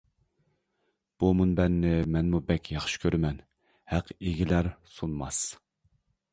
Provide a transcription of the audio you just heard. بۇ مۇنبەرنى مەنمۇ بەك ياخشى كۆرىمەن ھەق ئىگىلەر سۇنماس!